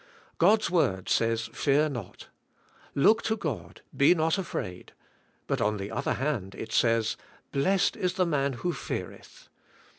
God's word says "Fear not." Look to God, be not afraid. But on the other hand it says, "Blessed is the man who feareth."